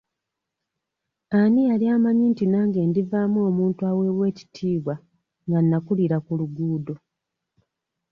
Ani yali amanyi nti nange ndivaamu omuntu aweebwa ekitiibwa nga nnakulira ku luguudo?